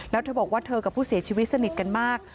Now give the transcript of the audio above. แล้วเธอบอกว่าเธอกับผู้เสียชีวิตสนิทกันมาก